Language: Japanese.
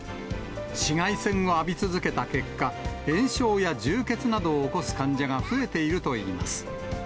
紫外線を浴び続けた結果、炎症や充血などを起こす患者が増えているといいます。